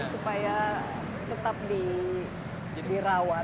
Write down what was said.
supaya tetap dirawat